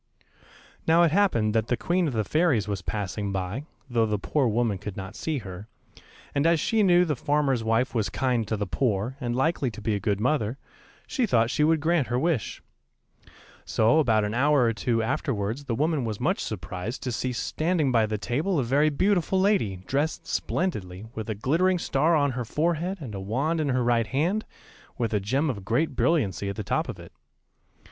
Now it happened that the Queen of the Fairies was passing by, though the poor woman could not see her, and as she knew the farmer's wife was kind to the poor and likely to be a good mother, she thought she would grant her wish. [Illustration: THE FARMER'S WIFE CRYING BECAUSE SHE HAS NO BABY.] So about an hour or two afterwards the woman was much surprised to see standing by the table a very beautiful lady, dressed splendidly, with a glittering star on her forehead and a wand in her right hand, with a gem of great brilliancy at the top of it.